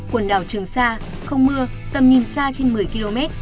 quần đảo trường sa không mưa tầm nhìn xa trên một mươi km